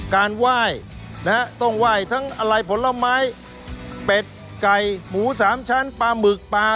การไหว้นะฮะต้องไหว้ทั้งอะไรผลไม้เป็ดไก่หมูสามชั้นปลาหมึกปลา